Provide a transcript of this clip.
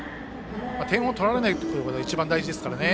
点を取られないことが一番大事ですからね。